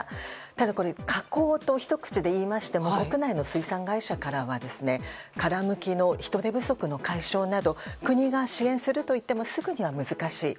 ただこれ、加工とひと口でいいましても国内の水産会社からは殻むきの人手不足の解消など国が支援するといってもすぐには難しい。